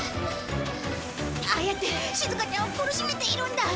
ああやってしずかちゃんを苦しめているんだ！